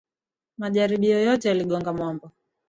Majaribio yote yaligonga mwaba.